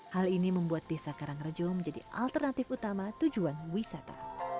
hal ini membuat desa karangrejo menjadi alternatif utama tujuan wisata